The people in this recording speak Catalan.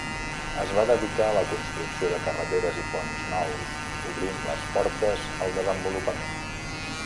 Es va dedicar a la construcció de carreteres i ponts nous, obrint les portes al desenvolupament.